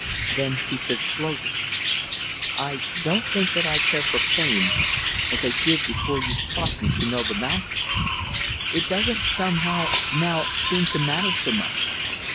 Then he said slowly, "I don't think that I care for fame as I did before you taught me to know the mountains. It doesn't, somehow, now, seem to matter so much.